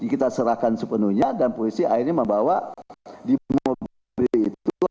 kita serahkan sepenuhnya dan polisi akhirnya membawa di mobil itu